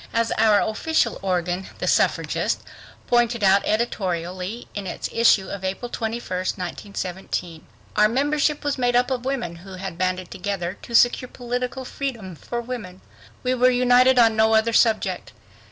As our official organ, The Suffragist, pointed out editorially, in its issue of April 21st, 1917: Our membership was made up of women who had banded together to secure political freedom for women. We were united on no other subject.